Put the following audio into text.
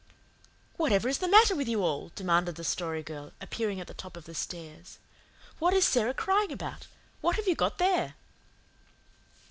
"Whatever is the matter with you all?" demanded the Story Girl, appearing at the top of the stairs. "What is Sara crying about? What have you got there?"